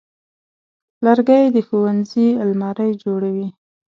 لرګی د ښوونځي المارۍ جوړوي.